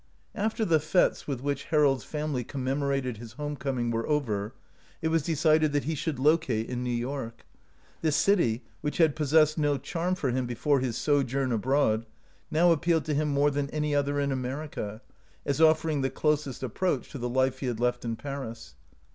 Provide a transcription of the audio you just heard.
After the f£tes with which Harold's family commemorated his home coming were over, it was decided that he should locate in. New York. This city, which had possessed no charm for him before his sojourn abroad, now appealed to him more than any other in America, as offering the closest approach to the life he had left in Paris.